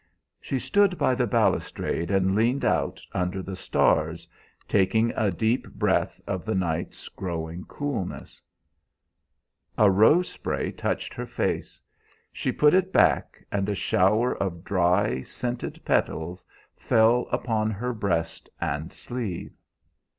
She stood by the balustrade and leaned out under the stars, taking a deep breath of the night's growing coolness. A rose spray touched her face. She put it back, and a shower of dry, scented petals fell upon her breast and sleeve.